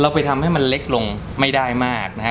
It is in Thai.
ไปทำให้มันเล็กลงไม่ได้มากนะฮะ